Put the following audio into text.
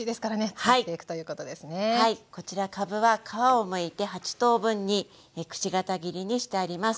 こちらかぶは皮をむいて８等分にくし形切りにしてあります。